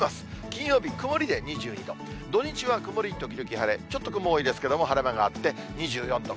金曜日、曇りで２２度、土日は曇り時々晴れ、ちょっと雲多いですけれども、晴れ間があって、２４度。